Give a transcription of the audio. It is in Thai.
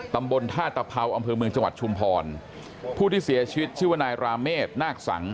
ตำบลท่าตะเภาอำเภอเมืองจังหวัดชุมพรผู้ที่เสียชีวิตชื่อว่านายราเมษนาคสัง